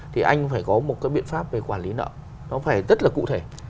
thì anh phải có một cái biện pháp về quản lý nợ nó phải rất là cụ thể